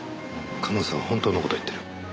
夏音さんは本当の事を言っている。